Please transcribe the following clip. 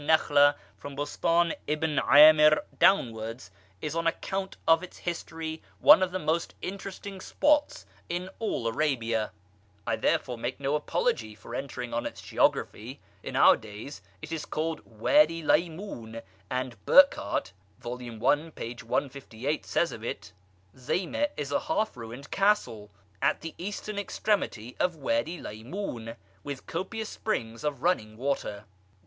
406] Nakhla from Bostan Ibn camir downwards, is on account of its history one of the most interesting spots in all Arabia; I therefore make no apology for entering on its geography. In our days it is called Wady Laymun, and Burckhardt, vol. i. p. 158, says of it: Zeyme is a half ruined castle, at the eastern extremity of Wady Lymoun, with copious springs of running water.